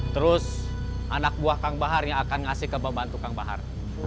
terus anak buah kang bahar yang akan ngasih ke pembantu kang bahar